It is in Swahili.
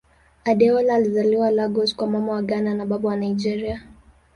Adeola alizaliwa Lagos kwa Mama wa Ghana na Baba wa Nigeria.